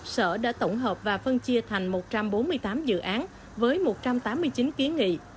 sở đã tổng hợp và phân chia thành một trăm bốn mươi tám dự án với một trăm tám mươi chín kiến nghị